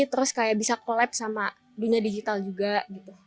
terus kayak bisa collabse sama dunia digital juga gitu